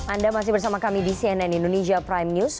anda masih bersama kami di cnn indonesia prime news